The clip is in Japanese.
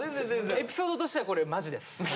エピソードとしてはこれマジです。